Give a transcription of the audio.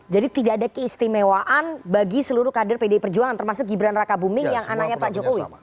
jadi tidak ada keistimewaan bagi seluruh kader pdi perjuangan termasuk gibran raka buming yang anaknya pak jokowi